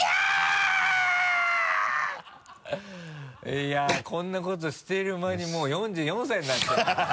いやこんなことしてる間にもう４４歳になっちゃいましたよ。